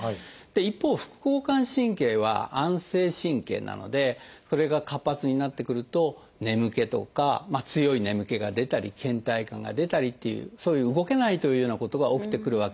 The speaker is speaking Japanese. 一方副交感神経は安静神経なのでそれが活発になってくると眠気とか強い眠気が出たりけん怠感が出たりっていうそういう動けないというようなことが起きてくるわけです。